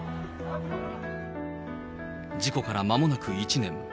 事故からまもなく１年。